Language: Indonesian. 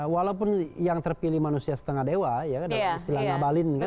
walaupun yang terpilih manusia setengah dewa ya kan istilah nabalin